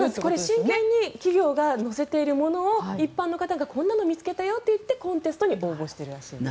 真剣に企業が載せているものを一般の方がこんなの見つけたよと言ってコンテストに応募していると。